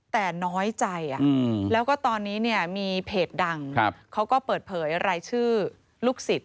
แต่น้อยใจแล้วก็ตอนนี้เนี่ยมีเพจดังเขาก็เปิดเผยรายชื่อลูกศิษย